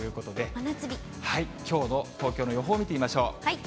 きょうの東京の予報を見てみましょう。